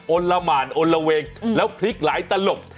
ละหมานอนละเวงแล้วพลิกหลายตลบ